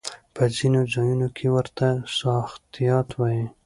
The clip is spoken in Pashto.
په ځينو ځايونو کې ورته ساختيات وايي.